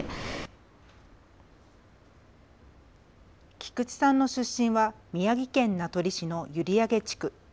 菊地さんの出身は宮城県名取市の閖上地区。